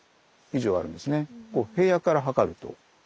平野から測ると。